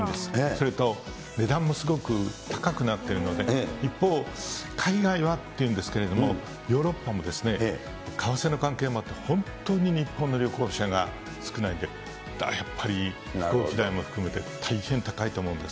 それと、値段もすごく高くなっているので、一方、海外はっていうんですけれども、ヨーロッパも為替の関係もあって、本当に日本の旅行者が少ないんで、やっぱり飛行機代も含めて大変高いと思うんです。